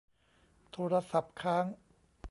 โทรศัพท์ค้าง